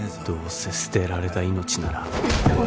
どうせ捨てられた命なら